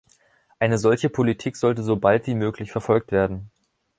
Eine solche Politik sollte so bald wie möglich verfolgt werden.